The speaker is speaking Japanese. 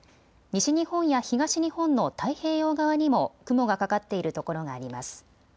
西日本や東日本の太平洋側にも雲がかかっている所があります。